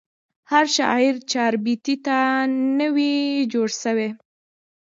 هر شاعر چاربیتې ته نه وي جوړسوی.